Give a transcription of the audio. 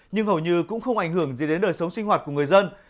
nhưng hầu như cũng không ảnh hưởng gì đến đời sống sinh hoạt của người dân